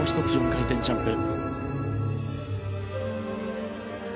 ４回転ジャンプ。